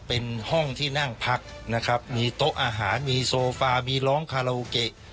เป็นห้องที่นั่งพักนะครับมีโต๊ะอาหารมีโซฟามีร้องคาราโอเกะ